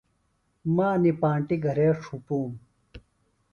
مہ انیۡ پانٹیۡ گھرے ڇھُپوم۔